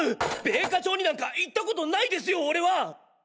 米花町になんか行ったことないですよ俺は！